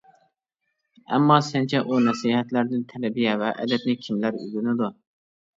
ئەمما سەنچە ئۇ نەسىھەتلەردىن تەربىيە ۋە ئەدەپنى كىملەر ئۆگىنىدۇ؟ !